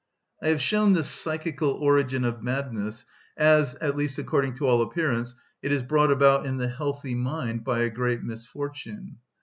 I have shown the psychical origin of madness as, at least according to all appearance, it is brought about in the healthy mind by a great misfortune.